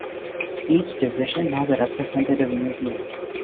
Each division has a representative museum.